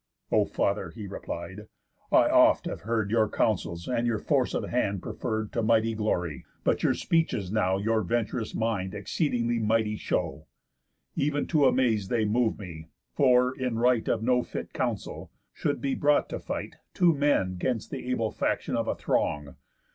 "O father," he replied, "I oft have heard Your counsels and your force of hand preferr'd To mighty glory, but your speeches now Your vent'rous mind exceeding mighty show. Ev'n to amaze they move me; for, in right Of no fit counsel, should be brought to fight Two men 'gainst th' able faction of a throng.